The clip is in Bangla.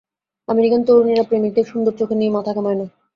আমেরিকান তরুণীরা প্রেমিকদের সুন্দুর চোখ নিয়ে মাথা ঘামায় না।